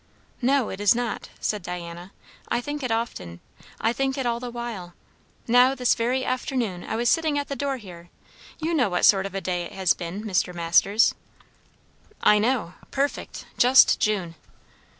"No, it is not," said Diana. "I think it often. I think it all the while. Now this very afternoon I was sitting at the door here, you know what sort of a day it has been, Mr. Masters?" "I know. Perfect. Just June."